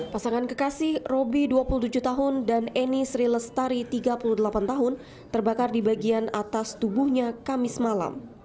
pasangan kekasih roby dua puluh tujuh tahun dan eni sri lestari tiga puluh delapan tahun terbakar di bagian atas tubuhnya kamis malam